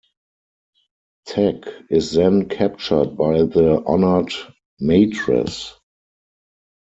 Teg is then captured by the Honored Matres.